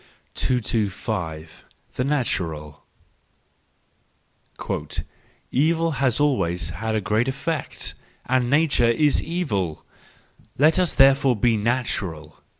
225. The Natural .—" Evil has always had the great effect! And Nature is evil! Let us therefore be natural!